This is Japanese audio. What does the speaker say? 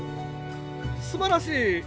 すばらしい！